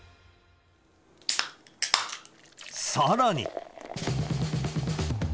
さらに。